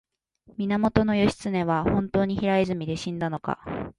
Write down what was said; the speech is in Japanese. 源義経は本当に平泉で死んだのか